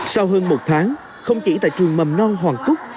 sau hơn một tháng không chỉ tại trường mầm non hoàng cúc